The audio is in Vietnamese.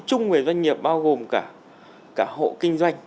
chung về doanh nghiệp bao gồm cả hộ kinh doanh